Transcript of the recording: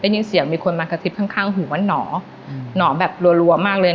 ได้ยินเสียงมีคนมากระทิบข้างข้างหัวหน่ออืมหน่อแบบรัวรัวมากเลย